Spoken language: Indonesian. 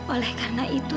oleh karena itu